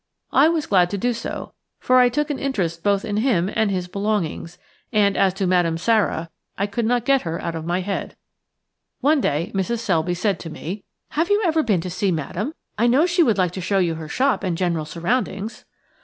I was glad to do so, for I took an interest both in him and his belongings, and as to Madame Sara I could not get her out of my head. One day Mrs. Selby said to me:– "Have you ever been to see Madame? I know she would like to show you her shop and general surroundings."